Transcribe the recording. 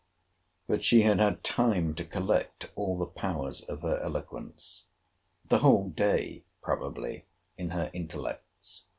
But she had had time to collect all the powers of her eloquence. The whole day probably in her intellects.